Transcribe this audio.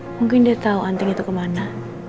mungkin dia tahu anting itu kemana